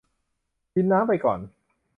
กินน้ำไปก่อน